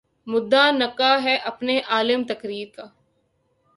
مدعا عنقا ہے اپنے عالم تقریر کا